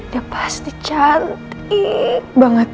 dia pasti cantik banget